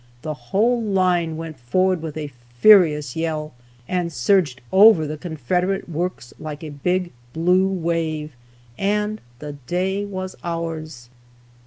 The whole line went forward with a furious yell, and surged over the Confederate works like a big blue wave, and the day was ours!